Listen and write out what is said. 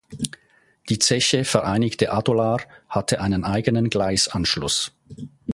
Die Zeche Vereinigte Adolar hatte einen eigenen Gleisanschluss.